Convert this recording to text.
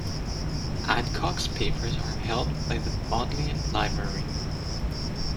Adcock's papers are held by the Bodleian Library.